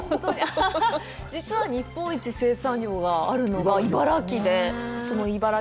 実は日本一の生産量があるのが茨城で、イバラ